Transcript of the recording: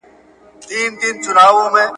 د اوبو مالګینېدل د خپرېدو وړاندوینه کې مرسته کوي.